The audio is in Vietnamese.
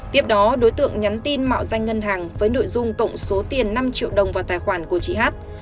tiếp đó đối tượng nhắn tin mạo danh ngân hàng với nội dung cộng số tiền năm triệu đồng vào tài khoản của chị h